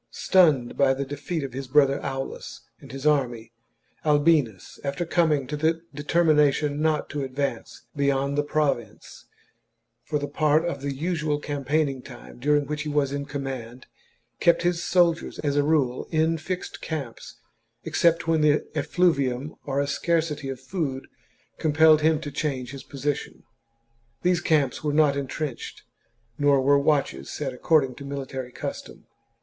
Stunned by the defeat of his brother Aulus and his army, Albinus, after coming to the determination not to ad vance beyond the province, for the part of the usual campaigning time during which he was in command, kept his soldiers, as a rule, in fixed camps, except when the effluvium or a scarcity of food compelled him to change his position. These camps were not entrenched, nor were watches set according to mili tary custom.